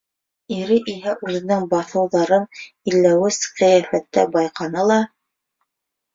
Ире иһә үҙенең баҫыуҙарын йәлләүес ҡиәфәттә байҡаны ла: